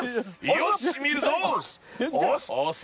よし見るぞ！